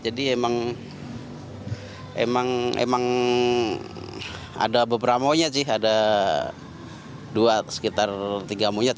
emang ada beberapa monyet sih ada dua sekitar tiga monyet